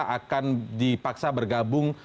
akan dipaksa bergabung